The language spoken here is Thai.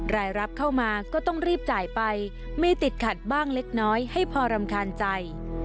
รายรับเข้ามาก็ต้องรีบจ่ายไปมีติดขัดบ้างเล็กน้อยให้พอรำคาญใจ